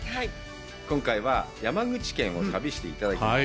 今回は山口県を旅していただきました。